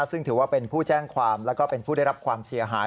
ซึ่งถือว่าเป็นผู้แจ้งความแล้วก็เป็นผู้ได้รับความเสียหาย